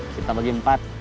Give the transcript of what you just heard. kita bagi empat